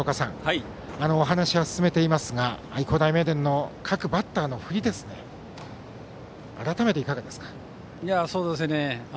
お話を進めていますが愛工大名電の各バッターの振り改めて、いかがですか？